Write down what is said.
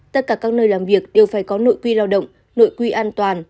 tất cả các nơi làm việc đều phải có nội quy lao động nội quy an toàn